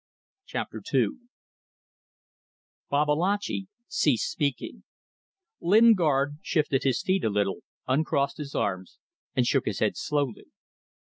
CHAPTER TWO Babalatchi ceased speaking. Lingard shifted his feet a little, uncrossed his arms, and shook his head slowly.